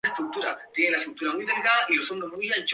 Pero en un sitio como este sí.